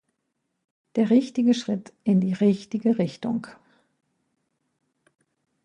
Der richtige Schritt in die richtige Richtung.